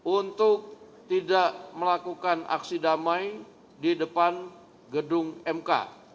untuk tidak melakukan aksi damai di depan gedung mk